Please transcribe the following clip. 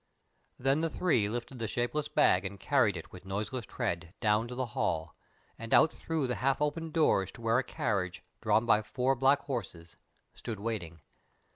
Then the three lifted the shapeless bag and carried it with noiseless tread down to the hall and out through the half open doors to where a carriage drawn by four black horses stood waiting.